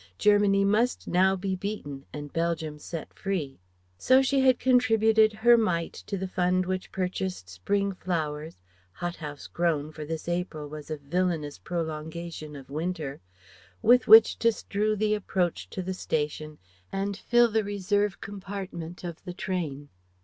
Germany must now be beaten and Belgium set free. So she had contributed her mite to the fund which purchased spring flowers hothouse grown, for this April was a villainous prolongation of winter with which to strew the approach to the station and fill the reserve compartment of the train.